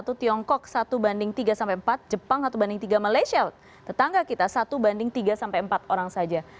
satu tiongkok satu banding tiga sampai empat jepang satu banding tiga malaysia tetangga kita satu banding tiga sampai empat orang saja